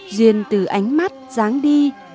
duyên từ ánh mắt ráng đi